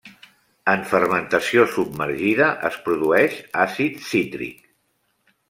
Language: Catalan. En fermentació submergida es produeix àcid cítric.